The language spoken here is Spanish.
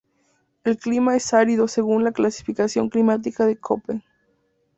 El clima es árido según la clasificación climática de Köppen.